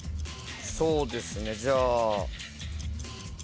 そうですねじゃあ。